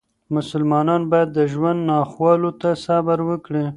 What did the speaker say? مسلمانان باید د ژوند ناخوالو ته صبر وکړي.